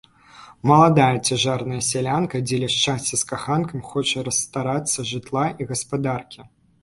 Маладая цяжарная сялянка дзеля шчасця з каханкам хоча расстарацца жытла і гаспадаркі.